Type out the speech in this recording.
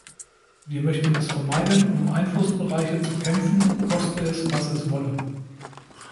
Wir möchten es vermeiden, um Einflussbereiche zu kämpfen, koste es, was es wolle.